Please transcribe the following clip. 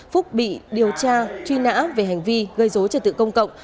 phúc bị điều tra truy nã về hành vi gây dối trật tự công cộng